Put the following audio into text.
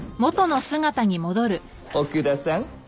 奥田さん